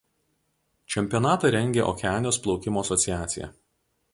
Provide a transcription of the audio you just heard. Čempionatą rengia Okeanijos plaukimo asociacija.